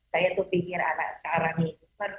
saya tuh pikir anak sekarang ini